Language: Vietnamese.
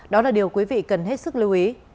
đó là điều quý vị cần hết sức lưu ý